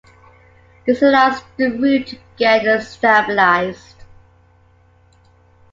This allows the route to get stabilized.